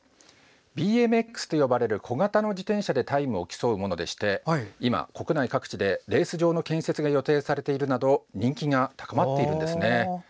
ＢＭＸと呼ばれる、小型の自転車でタイムを競うもので今、国内各地でレース場の建設が予定されているなど人気が高まっているんです。